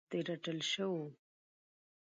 د رټل شوو